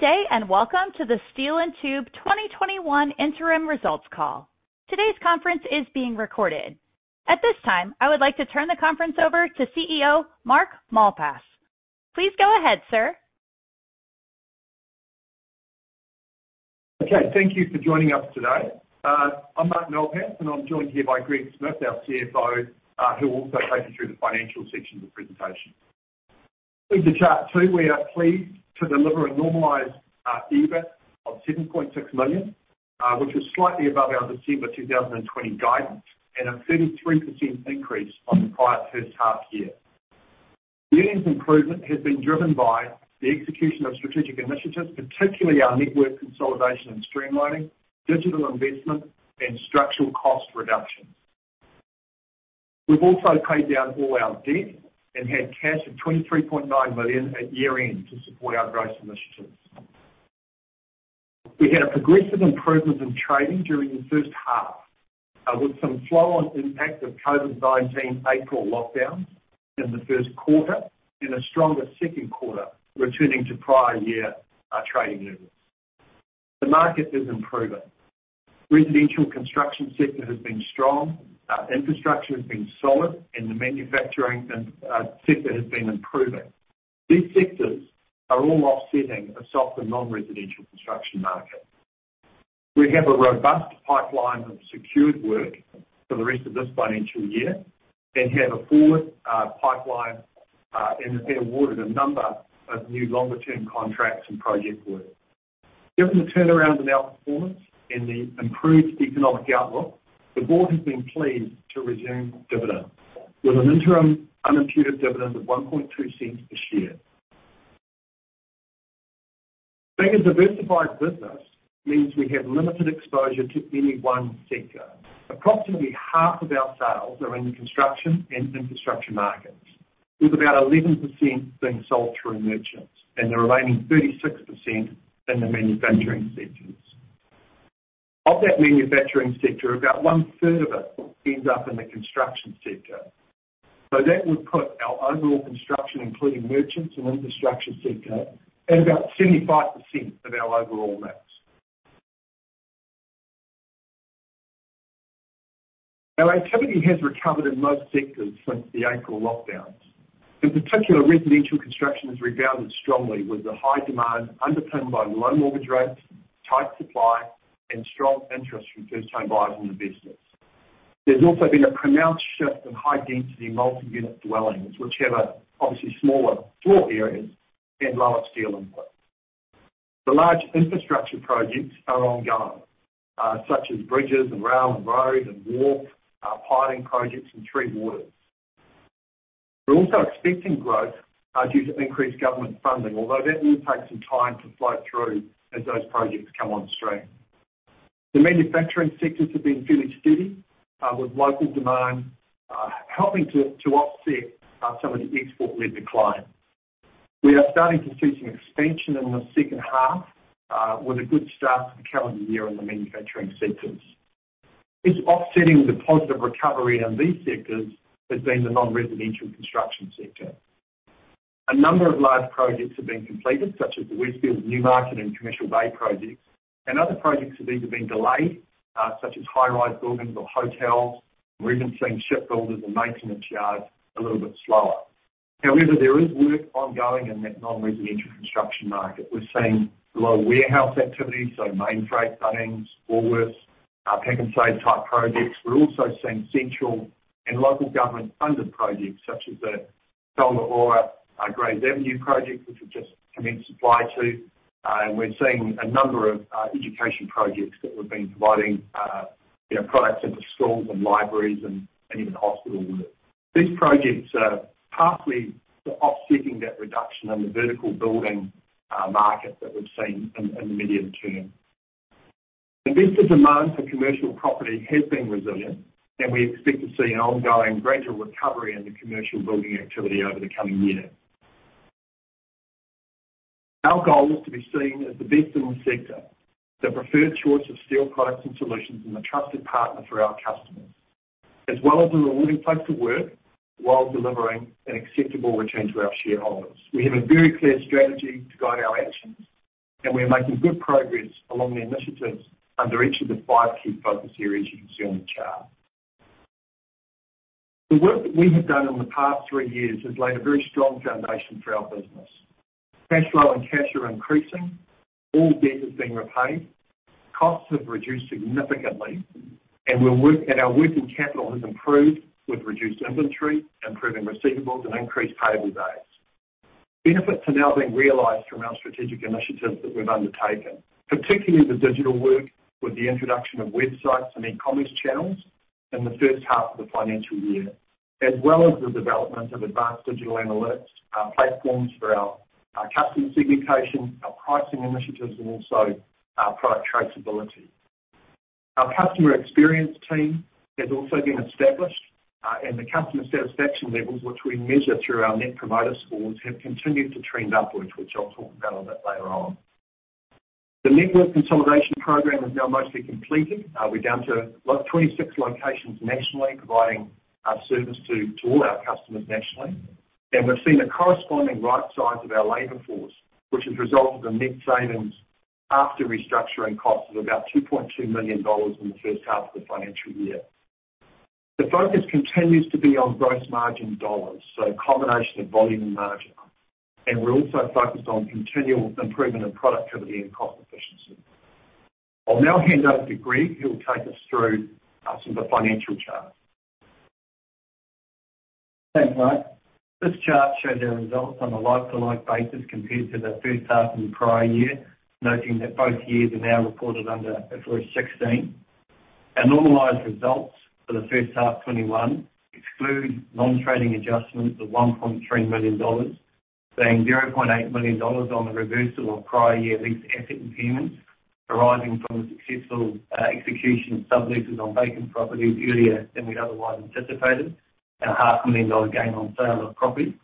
Good day. Welcome to the Steel & Tube 2021 Interim Results Call. Today's conference is being recorded. At this time, I would like to turn the conference over to CEO, Mark Malpass. Please go ahead, sir. Okay. Thank you for joining us today. I'm Mark Malpass, and I'm joined here by Greg Smith, our CFO, who will also take you through the financial section of the presentation. On to Chart two, we are pleased to deliver a normalized EBIT of 7.6 million, which is slightly above our December 2020 guidance and a 33% increase on the prior first half year. The improvement has been driven by the execution of strategic initiatives, particularly our network consolidation and streamlining, digital investment, and structural cost reductions. We've also paid down all our debt and had cash of 23.9 million at year-end to support our growth initiatives. We had a progressive improvement in trading during the first half, with some flow-on impact of COVID-19 April lockdowns in the first quarter, and a stronger second quarter returning to prior year trading levels. The market is improving. Residential construction sector has been strong, infrastructure has been solid, and the manufacturing sector has been improving. These sectors are all offsetting a softer non-residential construction market. We have a robust pipeline of secured work for the rest of this financial year, and have a forward pipeline, and have been awarded a number of new longer-term contracts and project work. Given the turnaround in our performance and the improved economic outlook, the board has been pleased to resume dividend, with an interim unimputed dividend of 0.012 per share. Being a diversified business means we have limited exposure to any one sector. Approximately half of our sales are in the construction and infrastructure markets, with about 11% being sold through merchants and the remaining 36% in the manufacturing sectors. Of that manufacturing sector, about one-third of it ends up in the construction sector. That would put our overall construction, including merchants and infrastructure sector, at about 75% of our overall mix. Our activity has recovered in most sectors since the April lockdowns. In particular, residential construction has rebounded strongly with a high demand underpinned by low mortgage rates, tight supply, and strong interest from first-time buyers and investors. There's also been a pronounced shift in high-density multi-unit dwellings, which have obviously smaller floor areas and lower steel input. The large infrastructure projects are ongoing, such as bridges and rail and roads and wharf, piling projects in 3 Waters. We're also expecting growth due to increased government funding, although that will take some time to flow through as those projects come on stream. The manufacturing sectors have been fairly steady, with local demand helping to offset some of the export-led decline. We are starting to see some expansion in the second half, with a good start to the calendar year in the manufacturing sectors. Offsetting the positive recovery in these sectors has been the non-residential construction sector. A number of large projects have been completed, such as the Westfield Newmarket and Commercial Bay projects, and other projects have either been delayed, such as high-rise buildings or hotels. We're even seeing shipbuilders and maintenance yards a little bit slower. However, there is work ongoing in that non-residential construction market. We're seeing low warehouse activity, Mainfreight, Bunnings, Woolworths, PAK'nSAVE type projects. We're also seeing central and local government-funded projects such as the Tolaga or Graves Avenue project, which we've just commenced supply to. We're seeing a number of education projects that we've been providing, you know, products into schools and libraries and even hospital work. These projects are partly offsetting that reduction in the vertical building market that we've seen in the medium term. Investor demand for commercial property has been resilient and we expect to see an ongoing gradual recovery in the commercial building activity over the coming year. Our goal is to be seen as the best in the sector, the preferred choice of steel products and solutions, and a trusted partner for our customers, as well as a rewarding place to work while delivering an acceptable return to our shareholders. We have a very clear strategy to guide our actions. We are making good progress along the initiatives under each of the five key focus areas you can see on the chart. The work that we have done in the past three years has laid a very strong foundation for our business. Cash flow and cash are increasing, all debt has been repaid, costs have reduced significantly, and our working capital has improved with reduced inventory, improving receivables, and increased payable days. Benefits are now being realized from our strategic initiatives that we've undertaken, particularly the digital work with the introduction of websites and e-commerce channels in the first half of the financial year, as well as the development of advanced digital analytics and platforms for our customer segmentation, our pricing initiatives, and also our product traceability. Our customer experience team has also been established, and the customer satisfaction levels, which we measure through our Net Promoter Scores, have continued to trend upwards, which I'll talk about a bit later on. The network consolidation program is now mostly completed. We're down to 26 locations nationally, providing service to all our customers nationally. We've seen a corresponding right size of our labor force, which has resulted in net savings after restructuring costs of about 2.2 million dollars in the first half of the financial year. The focus continues to be on gross margin dollars, so a combination of volume and margin, and we're also focused on continual improvement in productivity and cost efficiency. I'll now hand over to Greg, who will take us through some of the financial charts. Thanks, Mark. This chart shows our results on a like-to-like basis compared to the first half in the prior year, noting that both years are now reported under IFRS 16. Our normalized results for the first half 2021 exclude non-trading adjustments of 1.3 million dollars, paying 0.8 million dollars on the reversal of prior year lease asset impairments arising from the successful execution of subleases on vacant properties earlier than we'd otherwise anticipated, and a half million NZD gain on sale of property.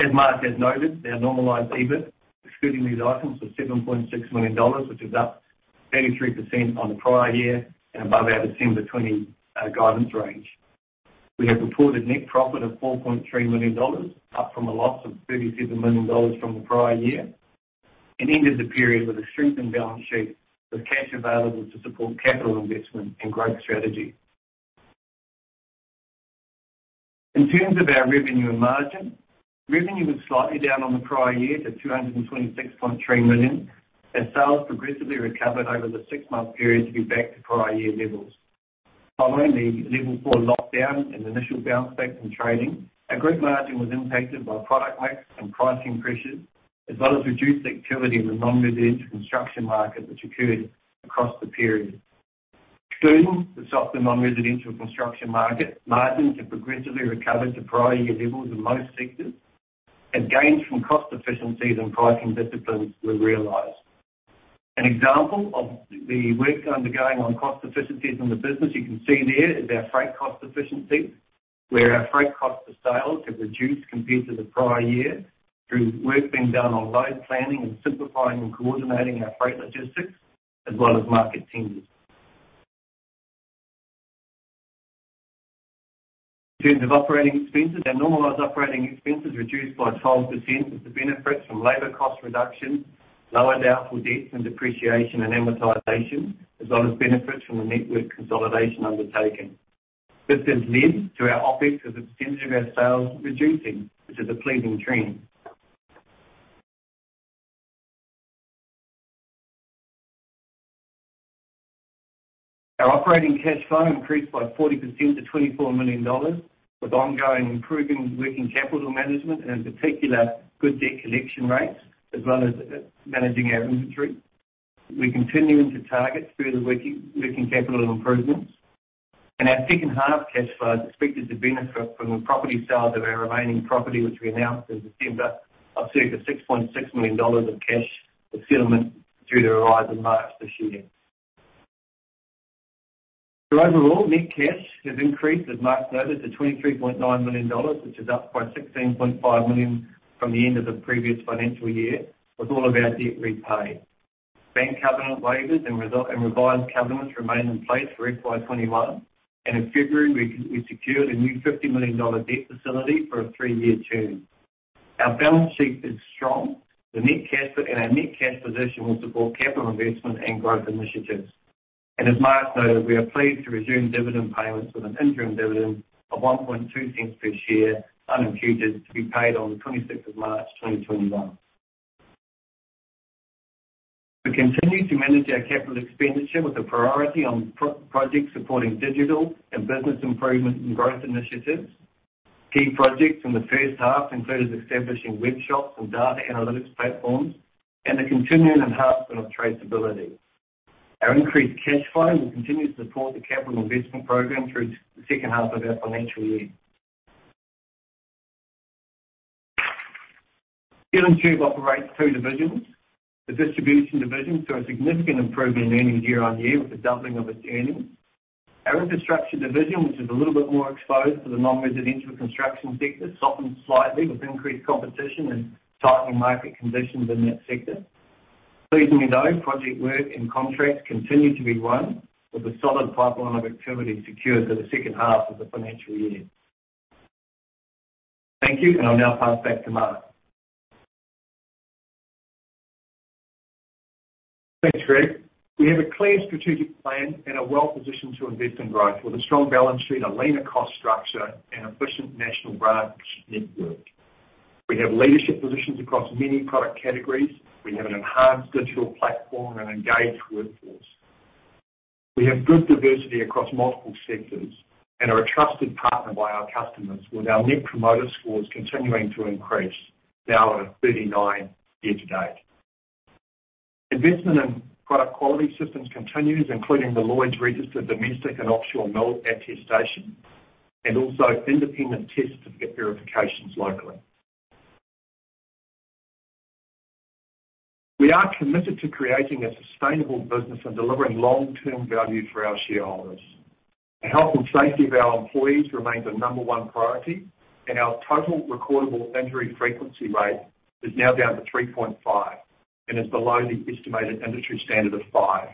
As Mark has noted, our normalized EBIT, excluding these items, was 7.6 million dollars, which is up 33% on the prior year and above our December 2020 guidance range. We have reported net profit of 4.3 million dollars, up from a loss of 37 million dollars from the prior year, and ended the period with a strengthened balance sheet with cash available to support capital investment and growth strategy. In terms of our revenue and margin, revenue was slightly down on the prior year to 226.3 million, as sales progressively recovered over the six-month period to be back to prior year levels. Following the Alert Level 4 lockdown and initial bounce back in trading, our group margin was impacted by product mix and pricing pressures, as well as reduced activity in the non-residential construction market, which occurred across the period. Excluding the softer non-residential construction market, margins have progressively recovered to prior year levels in most sectors, and gains from cost efficiencies and pricing disciplines were realized. An example of the work undergoing on cost efficiencies in the business, as you can see there, is our freight cost efficiency, where our freight cost for sale has reduced compared to the prior year through work being done on load planning and simplifying and coordinating our freight logistics as well as market tenders. In terms of operating expenses, our normalized operating expenses reduced by 12% with the benefits from labor cost reductions, lower doubtful debts and depreciation and amortization, as well as benefits from the network consolidation undertaken. This has led to our Opex as a percentage of our sales reducing, which is a pleasing trend. Our operating cash flow increased by 40% to 24 million dollars, with ongoing improvement in working capital management and in particular, good debt collection rates as well as managing our inventory. We're continuing to target further working capital improvements. Our second half cash flow is expected to benefit from the property sale of our remaining property, which we announced in December, observed a 6.6 million dollars of cash with settlement due to arrive in March of this year. Overall, net cash has increased, as Mark noted, to 23.9 million dollars, which is up by 16.5 million from the end of the previous financial year, with all of our debt repaid. Bank covenant waivers and revised covenants remain in place for FY21. In February, we secured a new 50 million dollar debt facility for a three-year term. Our balance sheet is strong. Our net cash position will support capital investment and growth initiatives. As Mark noted, we are pleased to resume dividend payments with an interim dividend of 0.012 per share, unimputed, to be paid on the 26th of March 2021. We continue to manage our capital expenditure with a priority on projects supporting digital and business improvement and growth initiatives. Key projects in the first half included establishing web shops and data analytics platforms and the continuing enhancement of traceability. Our increased cash flow will continue to support the capital investment program through the second half of our financial year. Steel & Tube operates two divisions. The distribution division saw a significant improvement in earnings year-on-year with a doubling of its earnings. Our infrastructure division, which is a little bit more exposed to the non-residential construction sector, softened slightly with increased competition and tightening market conditions in that sector. Pleasingly, though, project work and contracts continue to be won with a solid pipeline of activity secured for the second half of the financial year. Thank you and I'll now pass it back to Mark. Thanks, Greg. We have a clear strategic plan and are well-positioned to invest in growth with a strong balance sheet, a leaner cost structure, and efficient national branch network. We have leadership positions across many product categories. We have an enhanced digital platform and engaged workforce. We have good diversity across multiple sectors and are a trusted partner by our customers with our Net Promoter Scores continuing to increase, now at 39 year-to-date. Investment in product quality systems continues, including the Lloyd's Register domestic and offshore mill attestation and also independent test and verification locally. We are committed to creating a sustainable business and delivering long-term value for our shareholders. The health and safety of our employees remains the number one priority, and our total recordable injury frequency rate is now down to 3.5 and is below the estimated industry standard of five.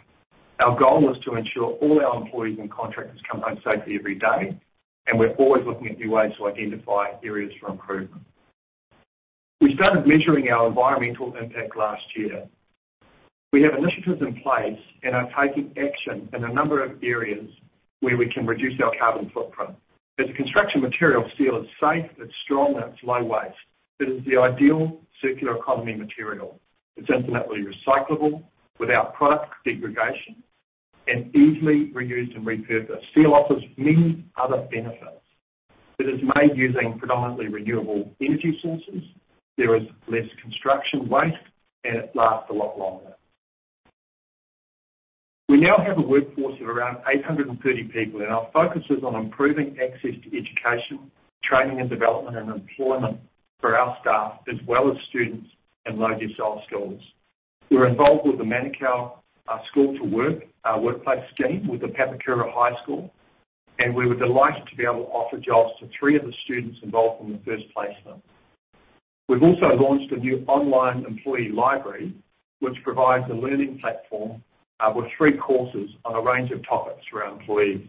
Our goal is to ensure all our employees and contractors come home safely every day and we're always looking at new ways to identify areas for improvement. We started measuring our environmental impact last year. We have initiatives in place and are taking action in a number of areas where we can reduce our carbon footprint. As a construction material, steel is safe, it's strong, and it's low waste. It is the ideal circular economy material. It's infinitely recyclable without product segregation and easily reused and repurposed. Steel offers many other benefits. It is made using predominantly renewable energy sources, there is less construction waste, and it lasts a lot longer. We now have a workforce of around 830 people. Our focus is on improving access to education, training and development, and employment for our staff, as well as students in low decile schools. We're involved with the Manukau School to Work workplace scheme with the Papakura High School, and we were delighted to be able to offer jobs to three of the students involved in the first placement. We've also launched a new online employee library, which provides a learning platform with three courses on a range of topics for our employees.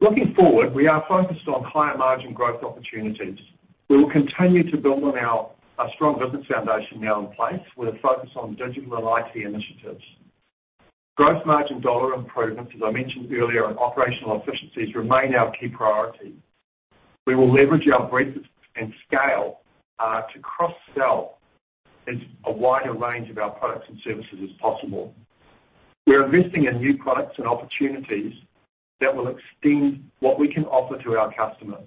Looking forward, we are focused on higher-margin growth opportunities. We will continue to build on our strong business foundation now in place with a focus on digital and IT initiatives. Gross margin dollar improvements, as I mentioned earlier, and operational efficiencies remain our key priority. We will leverage our breadth and scale to cross-sell as a wider range of our products and services as possible. We are investing in new products and opportunities that will extend what we can offer to our customers,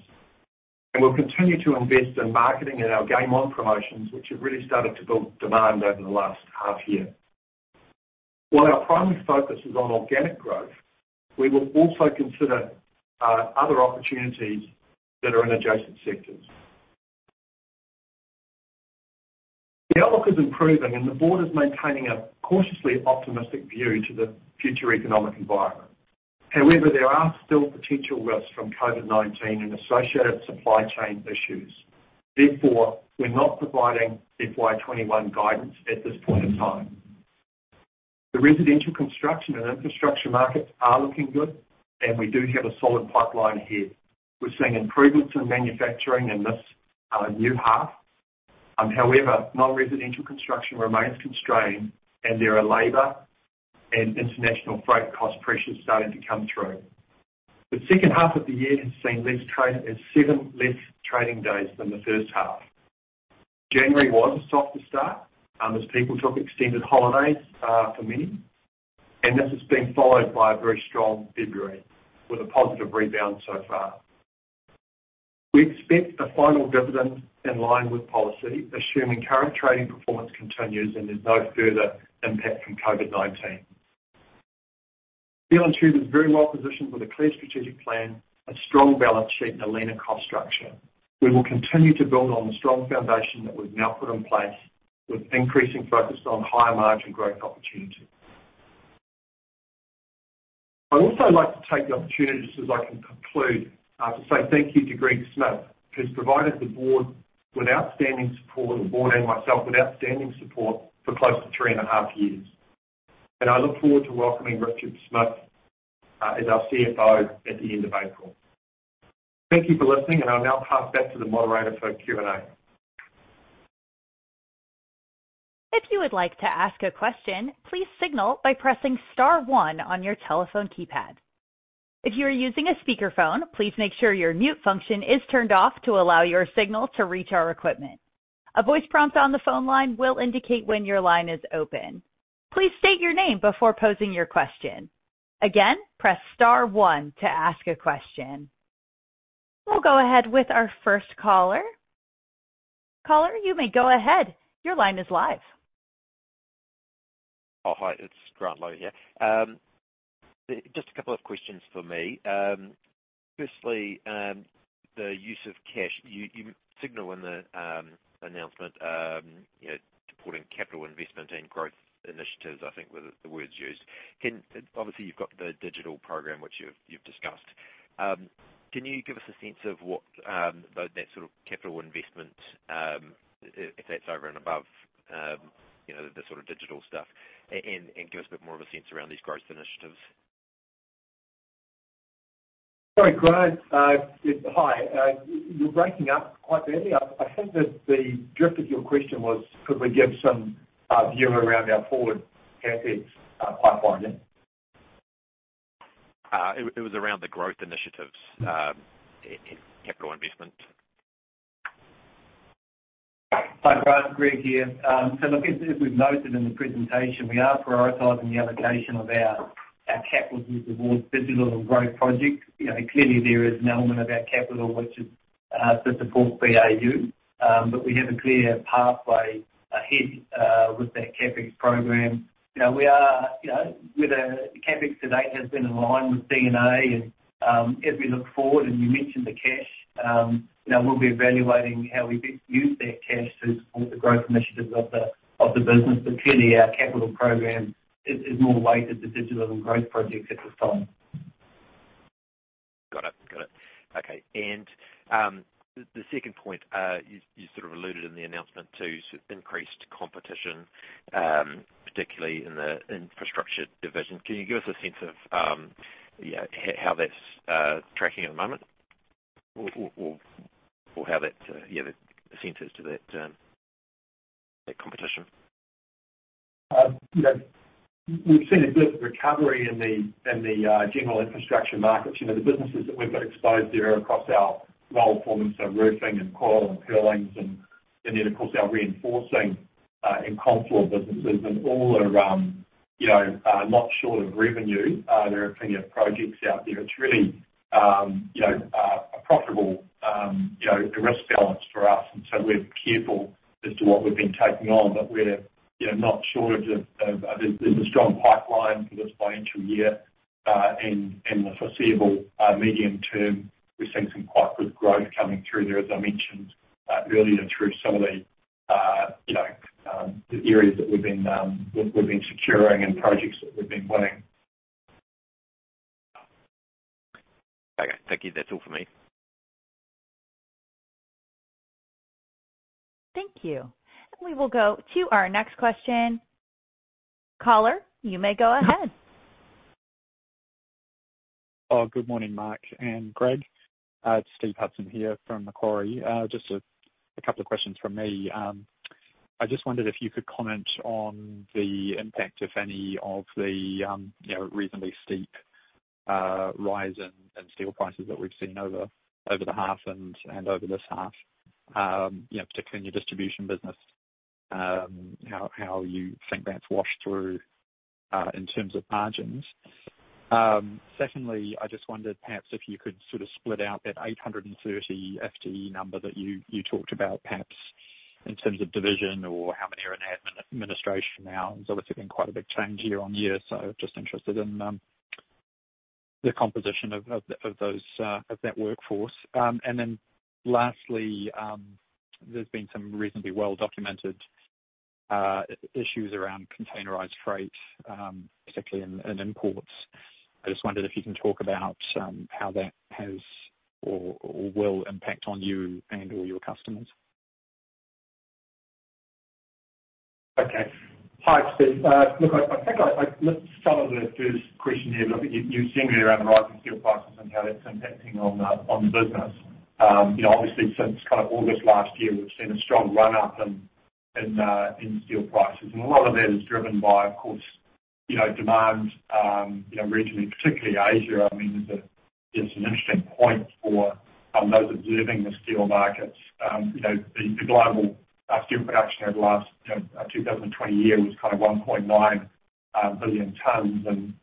and we'll continue to invest in marketing and our Game On promotions, which have really started to build demand over the last half year. While our primary focus is on organic growth, we will also consider other opportunities that are in adjacent sectors. The outlook is improving and the board is maintaining a cautiously optimistic view to the future economic environment. However, there are still potential risks from COVID-19 and associated supply chain issues. Therefore, we're not providing FY 2021 guidance at this point in time. The residential construction and infrastructure markets are looking good, and we do have a solid pipeline ahead. We're seeing improvements in manufacturing in this new half. However, non-residential construction remains constrained and there are labor and international freight cost pressures starting to come through. The second half of the year has seen seven less trading days than the first half. January was a softer start and as people took extended holidays for many, and this has been followed by a very strong February with a positive rebound so far. We expect a final dividend in line with policy, assuming current trading performance continues, and there's no further impact from COVID-19. Steel & Tube is very well positioned with a clear strategic plan, a strong balance sheet, and a leaner cost structure. We will continue to build on the strong foundation that we've now put in place with increasing focus on higher-margin growth opportunities. I'd also like to take the opportunity, just as I conclude, to say thank you to Greg Smith, who's provided the board with outstanding support, the board and myself with outstanding support for close to 3.5 Years. I look forward to welcoming Richard Smyth as our CFO at the end of April. Thank you for listening, I'll now pass back to the moderator for Q&A. If you would like to ask a question, please signal by pressing start one on your telephone keypad. If you are using a speakerphone, please make sure your mute function is turned off to allow your signal to reach our equipment. A voice prompt on the phone line will indicate when your line is open. Please state your name before posing your question. Again, press star one to ask a question. We'll go ahead with our first caller. Caller, you may go ahead. Your line is live. Oh, hi, it's Grant Lowe here, and just a couple of questions for me. Firstly, the use of cash. You signal in the announcement supporting capital investment and growth initiatives, I think were the words used. Obviously, you've got the digital program, which you've discussed. Can you give us a sense of that sort of capital investment, if that's over and above, you know, the sort of digital stuff? Give us a bit more of a sense around these growth initiatives. Sorry, Grant. Hi. You're breaking up quite badly. I think that the drift of your question was could we give some view around our forward CapEx pipeline, yeah? It was around the growth initiatives and capital investment. Hi, Grant. Greg here. Look, as we've noted in the presentation, we are prioritizing the allocation of our capital use towards digital and growth projects. Clearly, there is an element of our capital which is to support BAU, but we have a clear pathway ahead with that CapEx program. The CapEx to date has been in line with D&A, and as we look forward, and you mentioned the cash, you know, we'll be evaluating how we use that cash to support the growth initiatives of the business. Clearly, our capital program is more weighted to digital and growth projects at this time. Got it, got it, okay, and the second point, you sort of alluded in the announcement to increased competition, particularly in the infrastructure division. Can you give us a sense of, you know, how that's tracking at the moment or how that senses to that competition? Yeah, we've seen a good recovery in the general infrastructure markets. The businesses that we've got exposed there across our roll forming, so roofing and coil and purlins and then, of course, our reinforcing and ComFlor businesses, and all are, you know, not short of revenue. There are plenty of projects out there. It's really a profitable, you know, a risk balance for us, we're careful as to what we've been taking on. There's a strong pipeline for this financial year. In the foreseeable medium term, we've seen some quite good growth coming through there, as I mentioned earlier, through some of the, you know, areas that we've been securing and projects that we've been winning. Okay. Thank you. That's all for me. Thank you. We will go to our next question. Caller, you may go ahead. Good morning, Mark and Greg. It's Steve Hudson here from Macquarie. Just a couple of questions from me. I just wondered if you could comment on the impact, if any, of the reasonably steep rise in steel prices that we've seen over the half and over this half, particularly in your distribution business, how you think that's washed through in terms of margins. Secondly, I just wondered perhaps if you could sort of split out that 830 FTE number that you talked about, perhaps in terms of division or how many are in administration now. There's obviously been quite a big change year-on-year, so just interested in the composition of that workforce, and then lastly, there's been some reasonably well-documented issues around containerized freight, particularly in imports. I just wondered if you can talk about how that has or will impact on you and/or your customers. Okay. Hi, Steve. I think let's start with the first question there. You've seen around the rising steel prices and how that's impacting on the business. Obviously, since August last year, we've seen a strong run-up in steel prices, and a lot of that is driven by, of course, demand regionally, particularly Asia. I mean, it's an interesting point for those observing the steel markets. The global steel production over the last 2020 year was 1.9 billion tons, and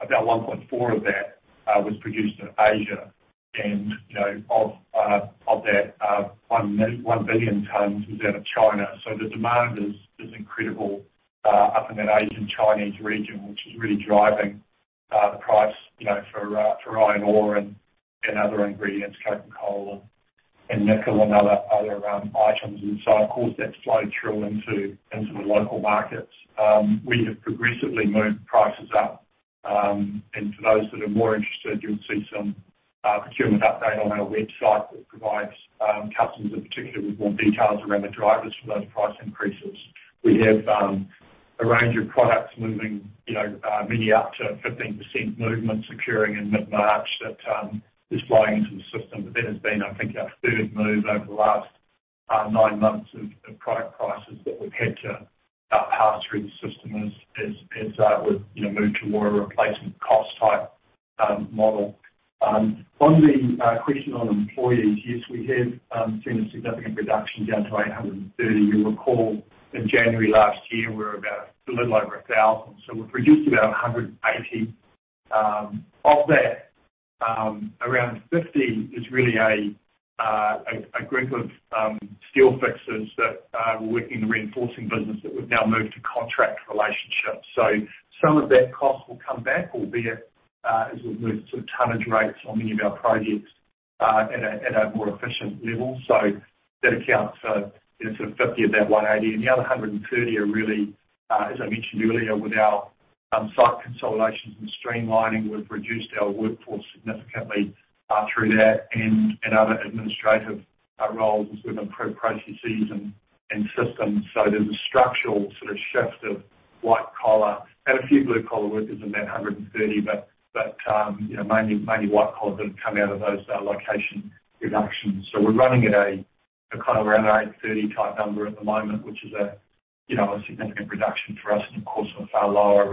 about 1.4 of that was produced in Asia and, you know, of that 1 billion tons was out of China. The demand is incredible up in that Asian-Chinese region, which is really driving the price for iron ore and other ingredients, coking coal and nickel, and other items. Of course, that's flowed through into the local markets. We have progressively moved prices up. For those that are more interested, you'll see some procurement update on our website that provides customers in particular with more details around the drivers for those price increases. We have a range of products moving, you know, many up to 15% movements occurring in mid-March that is flowing into the system. That has been, I think, our third move over the last nine months of product prices that we've had to pass through the system as we've moved to more of a replacement cost-type model. On the question on employees, yes, we have seen a significant reduction down to 830. You'll recall in January last year, we were about a little over 1,000. We've reduced about 180. Of that, around 50 is really a group of steel fixers that were working in the reinforcing business that we've now moved to contract relationships. Some of that cost will come back, albeit as we've moved to tonnage rates on many of our projects at a more efficient level. That accounts for 50 of that 180, and the other 130 are really, as I mentioned earlier, with our site consolidations and streamlining, we've reduced our workforce significantly through that and other administrative roles as we've improved processes and systems. There's a structural shift of white collar and a few blue collar workers in that 130, but mainly white collar that have come out of those location reductions. We're running at around 830 type number at the moment, which is a significant reduction for us and of course, with our lower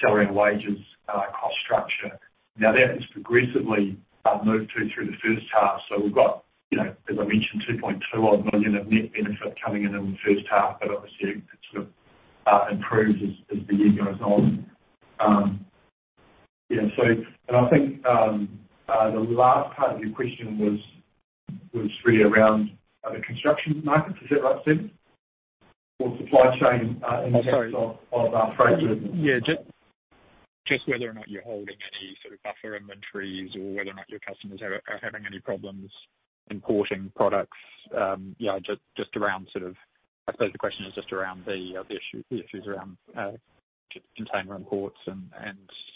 salary and wages cost structure, and that has progressively moved through the first half. We've got, as I mentioned, 2.2 odd million of net benefit coming in in the first half but, obviously, it improves as the year goes on. I think the last part of your question was really around the construction market. Is that right, Steve, or supply chain in terms of our freight movement? Yeah, just whether or not you're holding any buffer inventories or whether or not your customers are having any problems importing products, you know, I suppose the question is just around the issues around container and ports and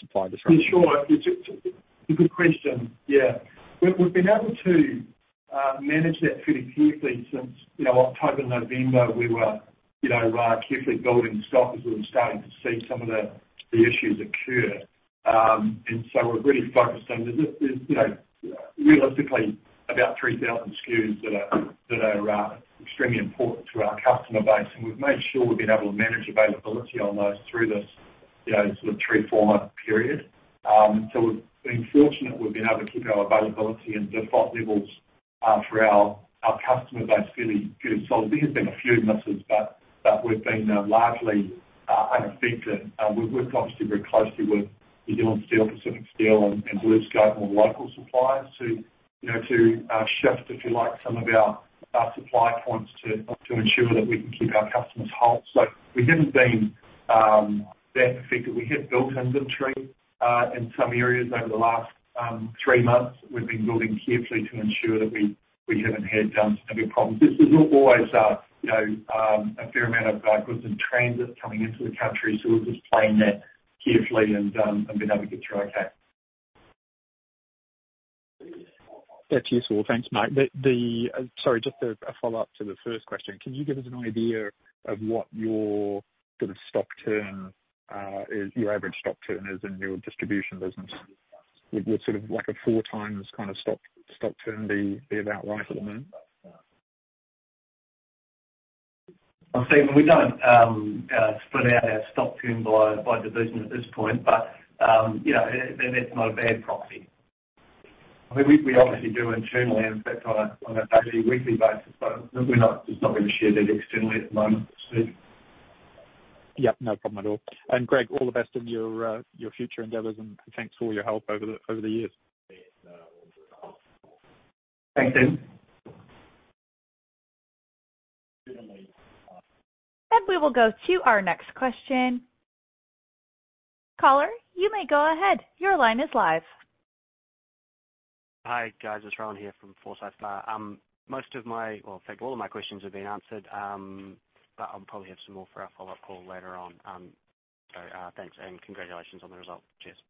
supply disruptions. Sure. It's a good question, yeah. We've been able to manage that pretty carefully since October, November, we were carefully building stock as we were starting to see some of the issues occur. We're really focused on, there's realistically about 3,000 SKUs that are extremely important to our customer base, and we've made sure we've been able to manage availability on those through this sort of three-month, four-month period. We've been fortunate we've been able to keep our availability and stock levels for our customer base fairly good. There's been a few misses, but we've been largely unaffected. We've worked obviously very closely with New Zealand Steel, Pacific Steel, and BlueScope, more local suppliers to shift, if you like, some of our supply points to ensure that we can keep our customers whole. We haven't been that affected. We have built inventory, in some areas over the last three months. We've been building carefully to ensure that we haven't had some big problems. There's always a fair amount of goods in transit coming into the country. We're just playing that carefully and been able to get through okay. That's useful. Thanks, mate. Sorry, just a follow-up to the first question. Could you give us an idea of what your average stock turn is in your distribution business? Would sort of like a 4x kind of stock turn be about right at the moment? Stephen, we don't split out our stock turn by division at this point. That's not a bad proxy. We obviously do internally inspect on a daily, weekly basis, we're not just going to share that externally at the moment, Stephen. Yeah, no problem at all. Greg, all the best in your future endeavors, and thanks for all your help over the years. Thanks, Stephen. We will go to our next question. Caller, you may go ahead. Your line is live. Hi, guys. It's Rowan here from Forsyth Barr. Most of my, well, in fact, all of my questions have been answered, but I'll probably have some more for our follow-up call later on. Thanks and congratulations on the result. Cheers.